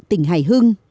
tỉnh hải hưng